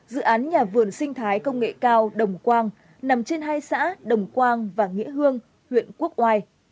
dự án nhà vườn sinh thái công nghệ cao đồng quang nằm trên hai xã đồng quang và nghĩa hương huyện quốc oai